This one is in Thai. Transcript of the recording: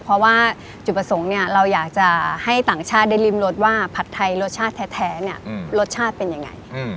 เพราะว่าจุดประสงค์เนี่ยเราอยากจะให้ต่างชาติได้ริมรสว่าผัดไทยรสชาติแท้เนี่ยรสชาติเป็นยังไง